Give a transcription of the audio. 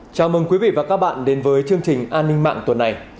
chào mừng quý vị và các bạn đến với chương trình an ninh mạng tuần này